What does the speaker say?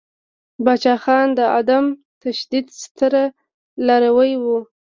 پاچاخان د عدم تشدد ستر لاروی ؤ.